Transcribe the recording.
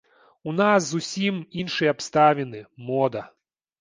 У нас зусім іншыя абставіны, мода.